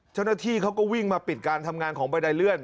เจ้าหน้าที่เขาก็วิ่งมาปิดการทำงานของบันไดเลื่อน